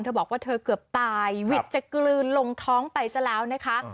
บอกว่าเธอเกือบตายวิทย์จะกลืนลงท้องไปซะแล้วนะคะ